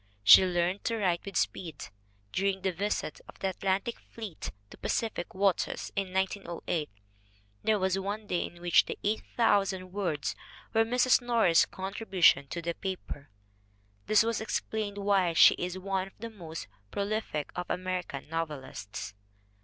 She learned to write with speed. "Dur ing the visit of the Atlantic fleet to Pacific waters, in 1908, there was one day in which 8,000 words were Mrs. Norris's contribution to the paper." This may explain why she is one of the most prolific of Ameri can novelists.